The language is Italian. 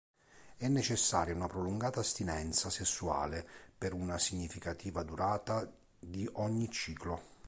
È necessaria una prolungata astinenza sessuale per una significativa durata di ogni ciclo.